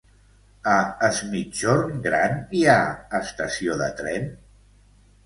A Es Migjorn Gran hi ha estació de tren?